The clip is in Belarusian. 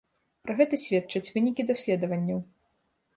Пра гэта сведчаць вынікі даследаванняў.